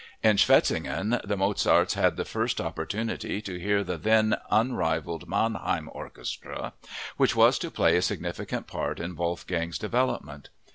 In Schwetzingen the Mozarts had the first opportunity to hear the then unrivaled Mannheim orchestra, which was to play a significant part in Wolfgang's development.